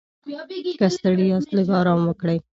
که ستړي یاست، لږ ارام وکړئ.